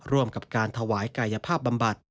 ร่วมกับการถวายกายภาพบำบัด